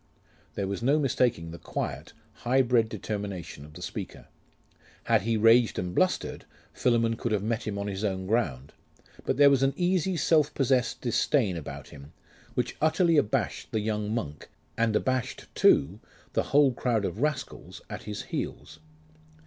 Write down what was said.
There was no mistaking the quiet, high bred determination of the speaker. Had he raged and blustered, Philammon could have met him on his own ground: but there was an easy self possessed disdain about him, which utterly abashed the young monk, and abashed, too, the whole crowd of rascals at his heels.